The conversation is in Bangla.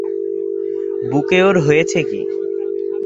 বুকে ওর হয়েছে কী?